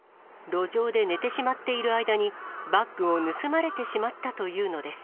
路上で寝てしまっている間に、バッグを盗まれてしまったというのです。